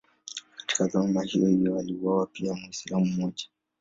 Katika dhuluma hiyohiyo aliuawa pia Mwislamu mmoja.